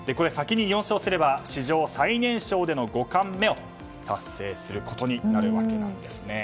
先に４勝すれば史上最年少での五冠目を達成することになるわけです。